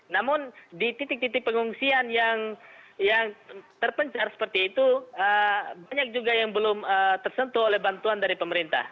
namun di titik titik pengungsian yang terpencar seperti itu banyak juga yang belum tersentuh oleh bantuan dari pemerintah